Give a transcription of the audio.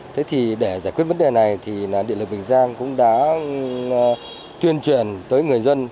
thế thì để giải quyết vấn đề này thì điện lực bình giang cũng đã tuyên truyền tới người dân